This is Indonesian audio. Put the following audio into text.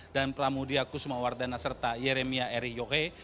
dan pramudia kusuma wardana serta yeremia eri yohe